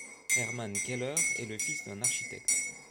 Hermann Keller est le fils d'un architecte.